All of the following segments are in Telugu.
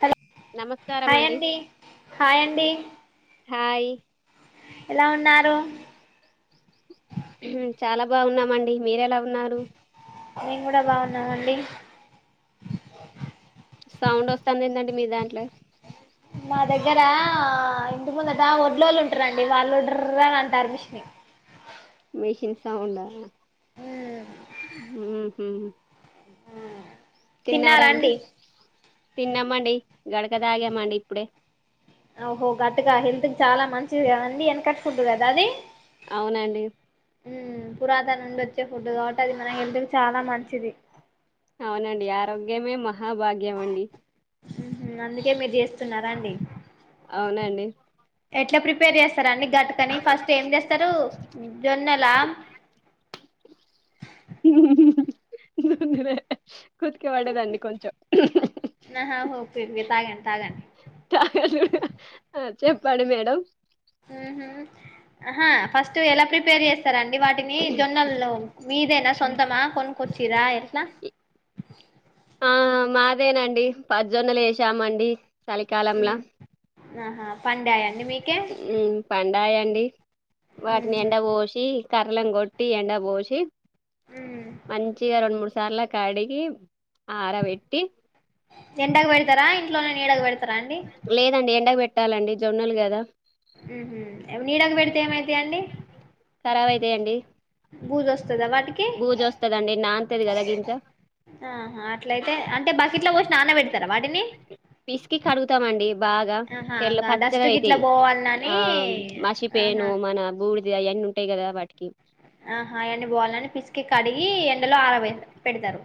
హలో హాయ్ అండి హాయ్ అండి హాయి ఎలా ఉన్నాారు ఉమ్ చాలా బాగున్నామండి మీరు ఎలా ఉన్నారు మేము కూడా బాగున్నావండి సౌండ్ వస్తుంది ఏంటండి మీ దాంట్లో మా దగ్గర ఇంటి ముందుట ఒడ్లోళ్ళు ఉంటారండి వాళ్ళు డుర్ర్ అని అంటారు మిష్ని మెషిన్ సౌండా మ్ ఉమ్ ఉహూ తిన్నారా అండి తిన్నామండి గడక తాగామండి ఇప్పుడే ఓహో గట్టుగా హెల్త్ చాలా మంచిది గదండి వెనక ఫుడ్ కదా అది అవునండి ఉ పురాతనం నుండి వచ్చే ఫుడ్ కాబట్టి మన హెల్త్ చాలా మంచిది ఏమే మా ఆ భాగ్యమండి అందుకే మీరు చేస్తున్నారా అండి అవునండి ఎట్లే ప్రిపేర్ చేస్త అండి గట్టుకని ఫస్ట్ ఏం చేస్తారు జోన్నలా కొతికే పడదండి కొంచెం ఆహా ఓకే ఓకే తాగండి తాగండి చెప్పడు మేడం ఉహూ ఆహా ఫస్ట్ ఎలా ప్రిపేర్ చేస్తారం డి వాటిని జొన్నల్లో మీదే నా సొంతమా కొ కిరాయి ఆ మ అదేనండి పజ్జొన్నలు ఏసామండి చలిికాలంలా ఉమ్ ఆహా పండయ పండాయా అండి వాటిని ఊహూ. ఎండ పోసి కరలం గట్టి ఎండ పోసి ఉమ్ మంచిగా రెండు మూడు సర్లె కడిగి ఆరబెట్టి ఎండ కు పెడతారా ఇంట్లోనే నీడకు బెట్టి లేదండి ఎండక్ పెట్ ట్టాలండి జొన్నలు కదా ఉ నీడకు పెడితే ఏమైతయండి ఖరాబ్ అయితాయండి బూజోస్ స్తదా వాటికి బూజు వస్తదండి నాన్తది కదా గింజ ఆహా అట్లయితే అంటే బకిట్ల పోసి నాన్న పెడుతరా వాటిని పిసికి కడుగుతమండి బాగా ఆహా తెల్ల ఇంగ డస్ట్ గిట్లా పచ్చగాయితాయ్ పోవాలని ఆ ఆహా మసిపేను మన బూడిది ఆయన్ని ఉంట్టాయి కదా వాటికి ఆహా ఆయన్ని పోవాల్నాని పిస్క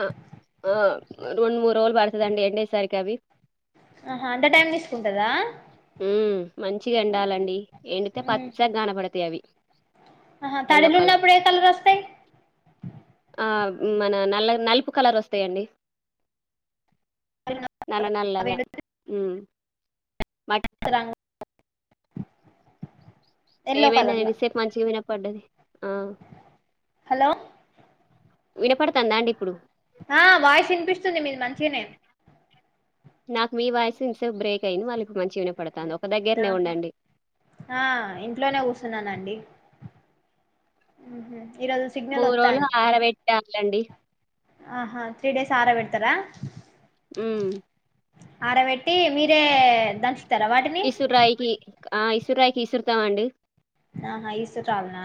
ఆ ఆ రెండు మూడు రోజులు పడుతదండి ఎండేసరికి అవి ఆహా అంత టైం తీసుకుంటదా ఉమ్ మంచిగా ఎండాలండి ఎండితే పచ్చగా కనపడతాయి అవి అహ ఎల్లో కలర్ తాడిలున్నప్పుడు ఎ కలరోస్తాయ్ ఆ మన నల్ నలుపు కలర్ వస్తాయండి నల్ల నల్ల గా హు కచ్చ తంగ్ ఎల్లో ఏమైదన్ కలర్లా ఇంత సేపు మంచిగా విన పడ్డది ఆ హలో వినపడుతందా అండి ఇప్పుడు ఆ వాయిస్ వినిపిస్తుంది మీది మంచిగానే నాకు మీ వాయిసు ఇంతసేపు బ్రేక్ అయింది మళ్లీప్ ఆహా ఆ ఇంట్లోనే కూసున్నానండి మ్ హు మూ ర్రోలు ఆరవెట్ట ఇలాండి ఆహా త్రీ డేస్ ఆరా పెడుతరా హు ఆరబెట్టి మీరే గ దంచుతారా వాటిని ఇసురాయికి ఆ ఈసురైకి కిసుర్తమండి ఆహా ఈసురల్నా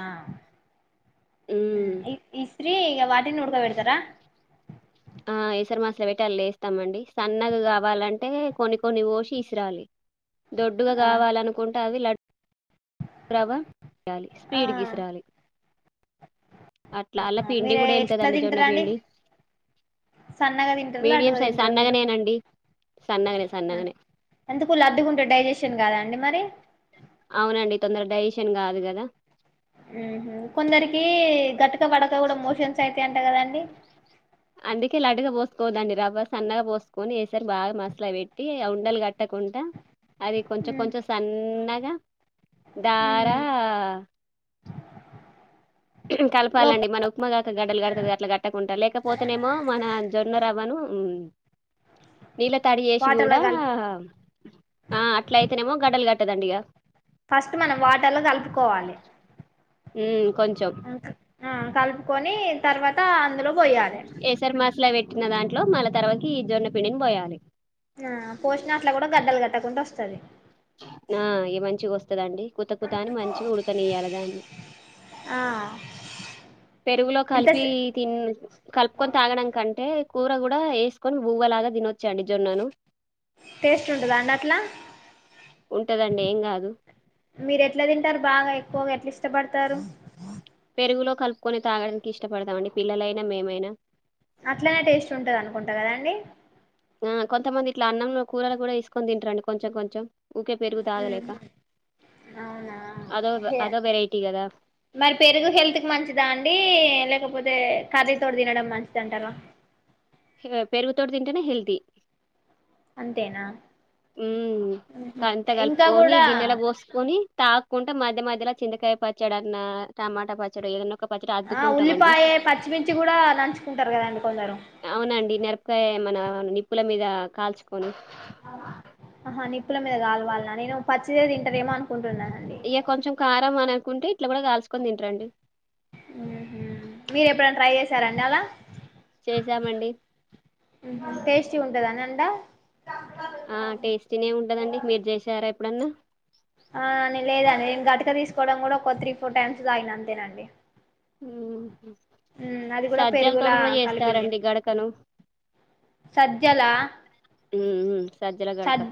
హు ఉమ్ ఇ ఇస్ శీ ఇగ వాటిని ఉడ్కబెడుతరా ఆ ఎసర్ మాసుల పెట్టి అళ్ళేత్తమండి సన్నగ కావాలంటే కొన్ని కొన్ని పోసిి ఇసురాలి దొడ్డుగా ఆ కావాలనుకుంటే అవి లడ్ రవ్వ తీయాలి స్పీడ్ గీసురాలి మీరే ఎట్లా ఎళ్తదండి జొన్న తింటరండి పిండి సన్నగా తింటరా లడ్డుగ మీడియం సైజ్ తింటరా మీరు సన్నగనేనండి సన్నగనే సన్నగనే ఎందుకు లడ్డుగుంటే డైజేషన్ కాదా అండి మరి అవునండి తొందర డైజేషన్ కాదు కదా మ్ హ్ కొందర్కి గట్క పడక కూడా మోషన్స్ అయితయంట కదండి అందుకే లడ్డుగా పోస్కోవద్దండి రవ్వ సన్నగా పోస్కొని ఎసర్ బాగా మసల పెట్టి ఉండల్ కట్ కట్టకుంట అది కొంచెం ఉమ్ కొంచెం సన్న గా దారా లోప కలపాలండి మన ఉప్మాగాక గడ్డల్ గడతది అట్లా గట్టకుంటా లేకపోతేనేమో మన జొన్న రవ్వను నీళ్ళ తడి చేేసి వాటర్లో గుడా కలిపి ఆ అట్ల అయితేనేమో గడ్డలు గట్ కట్టదండి ఇగ ఫస్ట్ మనం వాటర్లో కలుప్కోవాలె మ్ కొంచం ఆ కల్పుకొని తర్వాత ఇంకా అందులో పోయాలె ట్టిన దాంట్లో మళ్ళ తర్వాత గీ జొన్న పిండిని పోయాలి ఆ పోషిన అట్ల గుడ గడ్డల్ గడ్ ట్ట కుండ వస్తది నా ఈ మంచి గొస్ స్తదండి కుత కుతా అని మంచిగ ఉడకనియ్యాలే దాన్ని ఆ పెరుగులో ఎంత కల్పి తిన్ కల్పుకొని తాగడంకంటే కూర గుడా ఎస్కోన్ బువ్వలాగా తినచ్ టేస్ట్ ఉంటదా అండి అట్లా ఉంటదండి ఏం కాదు మీరు ఎట్లా తింటరు బాగా ఎక్కువగా అట్లిస్ ఇష్టపడతారు. పెరుగులో కలుప్కొని తాగడానికి ఇష్టపడతామండి పిల్లలైనా మేమైన అట్లనే టేస్ట్ ఉంటదనుకుంటా కదండి ఆ కొంతమంది ఇట్ల అన్నంలో కూరల గుడా ఏస్కొని తింటారండి కొంచెం కొంచం అవునా అదో అదో వెరైటీ కదా మరి పెరుగు హెల్త్క్ మంచిదా అండి లేకపో అదే కర్రీ తోటి తినడం మంచిదంటారా పెరుగుతోట్ తింటేనే హెల్తీ అంతేనా మ్ కంత ఇంకా కల్పుకొనీ కూడా గిన్నెల పోస్కొని తాగ్కుంటే మధ్య మధ్యల చింతకాయ పచ్చడన్న టమాటా పచ్చడో ఏదన్ ఆ ఉల్లిపాయే పచ్చిమిర్చి గుడా నంచుకుంటరు కదండి కొందరు అవునండి మిరపకాయ మన నిప్పుల మీద కాల్చుకొని ఆహా నిప్పుల మీద కాలుల్వాల్నా నేను పచ్చిదే తింటరేమో అనుకుంటున్నా ఇగ కొంచం కారం అనకుంటే ఇట్ల గుడా కాల్చుకొన్ తింటరండి. మీర ఎప్పుడైనా ట్రై చేసి సార్ అండాలా చేసామండి టేస్టీ ఉంటదాని అంట ఆ టేస్ట్నే ఉంటదండి మీరు చేసారే అప్పుడున్న ఆ అని లేదండి నేను గటుగా తీసుకోవడం కూడా ఒక త్రీ ఫోర్ టైమ్స్ తాగిన అంతేనండి అ అది కూడా పెరుగులా కలిపింది చేస్తారండి గడకను సజలా ఉమ్ సజ్జల గడక సద్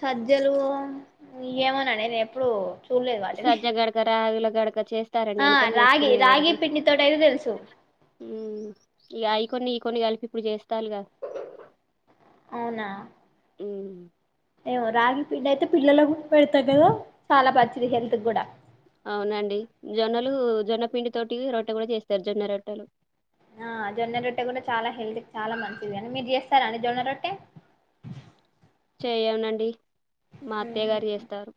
సజలు ఏమన్నాండి నేను ఎప్పుడు చూడలేదు వాటిని సజ్జ గడ్కర అవిలా గడక చేస్తారండి ఆ ఎనుడ రాగి చేసుకునేవర రాగి పిండితోటి అయితే తెలుసు కొన్ని కొన్ని కలిపి ఇప్పుడు చేస్తాలుగా అవునా ఊ ఏమొ రాగి పిండి అయితే పిల్లల్లో పెడతా కదో చాలా మంచిది హెల్త్ కూడా అవునండి జొన్నలు జొన్నపిండి తోటి రొట్ట కూడా చేస్తారు జొన్న రొట్టలు ఆ జొన్న రొట్టె కూడా చాలా హెల్తీ చాలా మంచిది కానీ మీరు చేస్తారా అండి జొన్న రొట్టె చేయనండి మా అత్తయ్య గారు చేస్తారు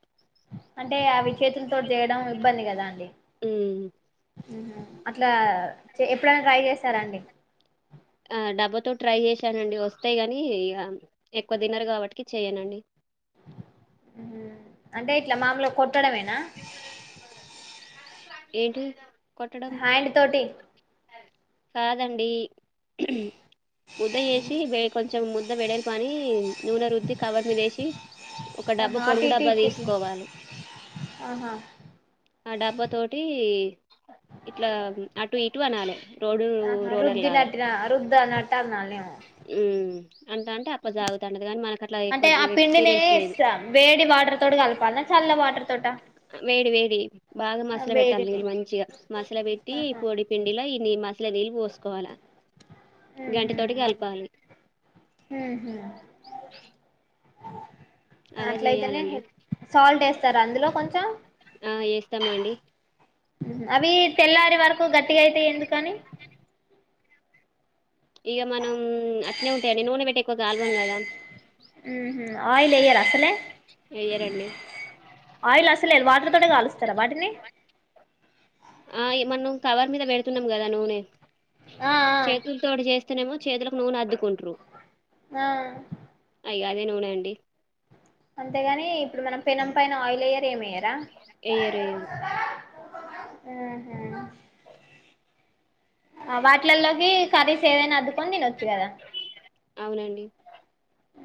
అంటే అవి చేతులతోటి చేయడం ఇబ్బంది కదా అండి ఉమ్ అట్లా చె ఎప్పుడన్న ట్రై చేశారండి ఆ డబ్బాతో ట్రై చేశానండి వస్తే కానీ ఇక ఎక్కువ తినర్ కాబట్టి చేయనండి అంటే ఇట్లా మామూలుగా కొట్ కొట్టడమేనా ఏంటిది హ్యాండ్ తోటి కాదండి ముద్ద చేసి వే కొంచెం ముద్ద వెడల్పు అని నూనె రుద్ది కవర్ మీద ఏసి ఒక డబ్బా ఆహా అటు పొడుగు ఇటు డబ్బా ఇటు ఇటు తీసుకోవాలి ఆహా ఆ డబ్బా తోటి ఇట్లా అటు ఇటు అనాలే ఆహా రుద్దినట్టుగా రుద్దనట్టానాలి ఉ అంట అంటే అప్ప సాగుతా ఉంటది కానీ మనకు అట్లా అంటే ఎక్కువ ఆ పిండిని ఎక్స్పీరియన్స్ లేదు స వేడి వాటర్ తోటి కలపాల చల్ల వాటర్ తోట వేడి వేడి బాగా మస్ల పెట్టాలి వేడిని నీళ్ళు మంచిగా మస్ల పెట్టి ఈ ఆహా పొడి పిండిల ఇ మస్ ఇట్లా నీళ్లు పోసుకోవాలా గంటే ఉహు తోటి కలపాలి ఉహు అలా అట్లయితేనే చేయాలండి సాల్ట్ ఏస్తారా అందులో కొంచెం ఆ చేస్తామండి అవి తెల్లారే వరకు గట్టిగా అయితయి ఎందుకని ఇగ మనం అట్నే ఉంటాడి నూనె పెట్టే ఎక్కువ కాల్వం కదా ఉహు ఆయిల్ ఎయ్యరా అసలే ఏయ్యరండి లే వాటర్ తోనే కాలుస్తారా వాటిని ఆ ఈ మన్ను కవర్ మీద పెడుతున్నాం కదా నూనె ఆ ఆ చేతుల తోటి చేస్ తే నేమో చేతులకు నూనె అద్దుకుంట్రు ఆ ఇగ అది నూనె అండి అంతేగాని ఇప్పుడు మనం పెనం పైన ఆయిల్ ఎయ్యరు ఏమయ్యారా ఏయ్యరు ఏయ్యరు అహా ఆ వాటిలల్లోకి కర్రీస్ ఏదైనా అద్కొని తినొచ్చు కదా అవునండి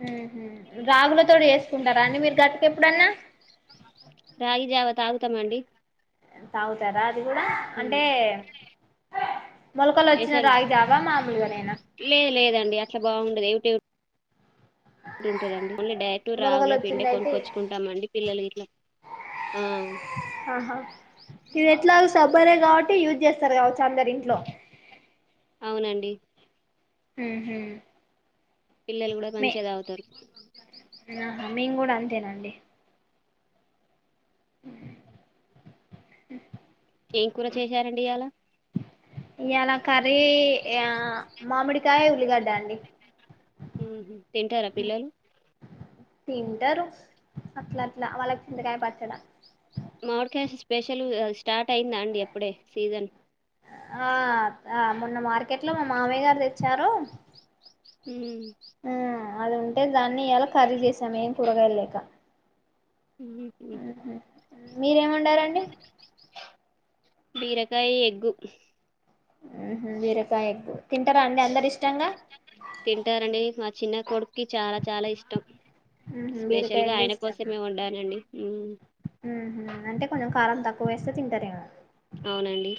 ఉహు రాగుల తోటి చేసుకుంటారండి మీరు గటుక ఎప్పుడన్నా రాగి జావ తాగుతామండి తాగుతారా హ్మ్. అంటే మొలకలు వచ్చిన ఎసలు రాగి జావా మామూలుగానేనా టివ్ డుంటుందండి ఓన్లీ డైరెక్ట్ మొలకలు రాగుల పిండే వచ్చింది అయితే కొనుక్కొచ్చుకుంటామండి పిల్లలు ఇట్లా ఇట్లా సబ్బరే కాబట్టి యూజ్ చేస్తారు కావచ్చు అందరు ఇంట్లో అవునండి ఉహు పిల్లలు కూడా మే మంచిగా తాగుతారు ఆహా మేము కూడా అంతేనండి ఏం కూర చేశారండి అలా ఇ అలా కర్రీ ఆ మామిడికాయ ఉల్లిగడ్డ అండి హుహు. తింటారా పిల్లలు తింటారు అట్ల అట్లా వాళ్ళకి చింతకాయ పచ్చడా మామడికాష స్పెషల్ స్టార్ట్ అయిందా అండి ఎప్పుడే సీజన్ ఆ ఆ మొన్న మార్కెట్ లో మా మామయ్య గారు తెచ్చారు హ ఆ అది ఉంటే దాన్ని ఇయాలా కర్రీ చేసామే కూరగాయ లేకా ఇ మీరేమన్నా ఉన్నారండి బీరకాయ ఎగ్గు వీరకాయ ఎ తింటారా అండి అందరు ఇష్టంగా తింటారండి మా చిన్న కొడుకుకి చాలా చాలా ఇష్టం ఉహు స్పెషల్ బీరకాయ గా ఎగ్ ఆయన ఇష్టమా కోసమే వాండానండి అంటే కొంచెం కారం తక్కువ పో వస్తే తింటారే అవునండి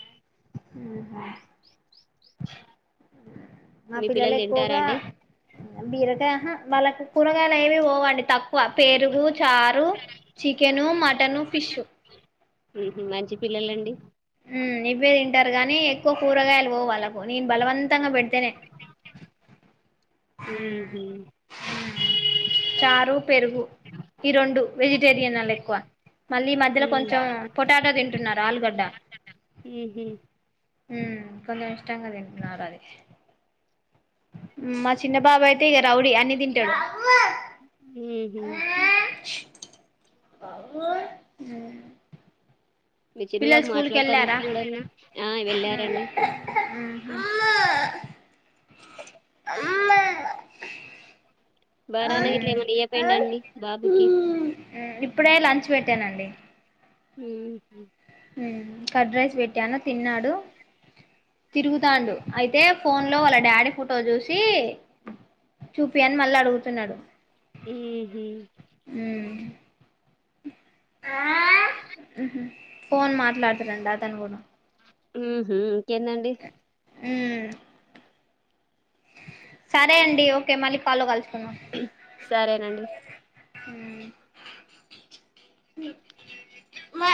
హహా మా మీ పిల్లల పిల్లలు తింటారా ఎక్కువగా అండి బీరగా వాళ్ళకు కూరగాయలు ఏవీ పోవండి తక్కువ పెరుగు చారు చికెను మటన్ ఫిష్ మంచి పిల్లలండి ఉమ్ ఇవే తింటారు గానీ తంగ పెడుతేనే ఉహు, చారు పెరుగు ఈ రెండు వెజిటేరియన్ వాలు ఎక్కువ మళ్ళీ మధ్యలో ఉమ్, కొంచెం పొటాటా తింటున్నారు ఆలుగడ్డ హ కొంచం ఇష్టంగా తింటున్నారు అది మా చిన్న బాబాయితే క రావుడి అ ని తన్ టడు ఉహు. అవు విజన్న బాబు మాట్లాడుతానట్టున్నాడన్న ఆ వెళ్ళారండి ఉమ్మ ఉమ్మ బారాన ఇట్లా ఏమన్నా అపోయిండ అండి బాబుకి ఇప్పుడే లంచ్ పెట్టానండి హ కడ్ రైస్ పెట్టాను తిన్నాడు తిరుగుతాడు అయితే ఫోన్ లో వాళ్ళ డాడీ ఫోటో చూసి చూపి అని మళ్ళీ అడుగుతున్నాడు ఉ ఫన్ మాట్లాడుతురడి అతను కూడా ఉ ఇంకేందండి అ సరే అండి ఓకే మళ్ళీ కాలో కలు సరేనండి మా